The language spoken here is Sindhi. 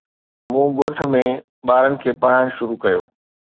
مون ڳوٺ ۾ ٻارن کي پڙهائڻ شروع ڪيو